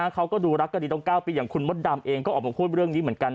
เขาก็ดูรักกันดีต้อง๙ปีอย่างคุณมดดำเองก็ออกมาพูดเรื่องนี้เหมือนกัน